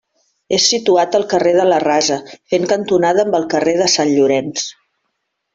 És situat al carrer de la Rasa, fent cantonada amb el carrer de Sant Llorenç.